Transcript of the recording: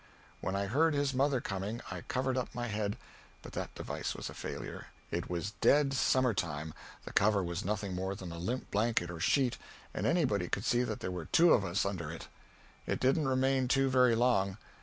When I heard his mother coming I covered up my head, but that device was a failure. It was dead summer time the cover was nothing more than a limp blanket or sheet, and anybody could see that there were two of us under it. It didn't remain two very long.